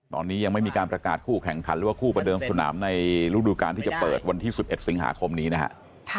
ตอนนี้ยังไม่มีการประกาศคู่แข่งขันหรือว่าคู่ประเดิมสนามในฤดูการที่จะเปิดวันที่๑๑สิงหาคมนี้นะครับ